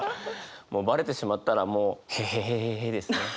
もうバレてしまったらもう「ヘヘヘヘへ」ですね。